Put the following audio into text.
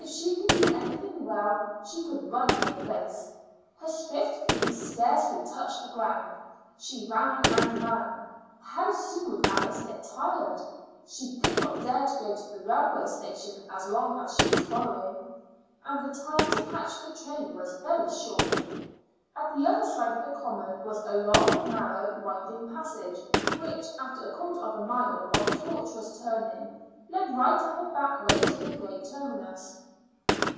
If she could do anything well, she could run in a race. Her swift feet scarcely touched the ground. She ran and ran. How soon would Alice get tired? She did not dare to go to the railway station as long as she was following. And the time to catch the train was very short. At the other side of the common was a long, narrow, winding passage which, after a quarter of a mile of tortuous turning, led right up a back way to the great terminus.